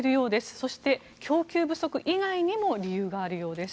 そして供給不足以外にも理由があるようです。